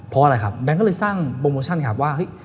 เพราะอะไรครับแบงค์ก็เลยสร้างโปรโมชั่นครับว่าเฮ้ย